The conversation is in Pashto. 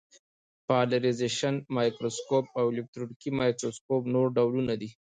پالرېزېشن مایکروسکوپ او الکترونیکي مایکروسکوپ نور ډولونه دي.